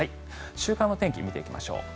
週間の天気を見ていきましょう。